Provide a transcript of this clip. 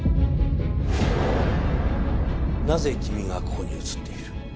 なぜ君がここに写っている？